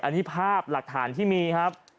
อันนี้ภาพหลักฐานที่มีครับ